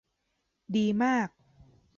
ดีมาก !